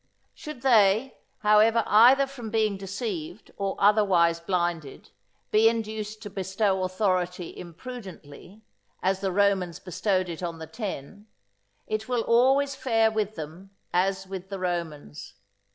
Should they, however either from being deceived or otherwise blinded, be induced to bestow authority imprudently, as the Romans bestowed it on the Ten, it will always fare with them as with the Romans.